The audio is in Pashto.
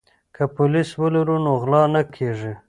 که پولیس ولرو نو غلا نه کیږي.